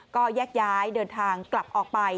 ก็แยกย้ายเดินทางกลับออกไป